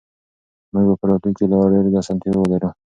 موږ به په راتلونکي کې لا ډېرې اسانتیاوې ولرو.